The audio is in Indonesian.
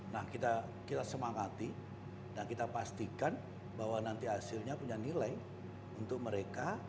nah kita semangati dan kita pastikan bahwa nanti hasilnya punya nilai untuk mereka